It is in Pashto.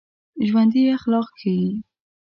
ژوندي اخلاق ښيي